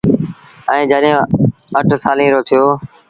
ائيٚݩ جڏهيݩ اَٺ سآليٚݩ رو ٿيو۔